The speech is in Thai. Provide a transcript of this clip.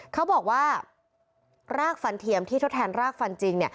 เขาบอกว่ารากฟันเทียมที่ทดแทนรากฟันจริง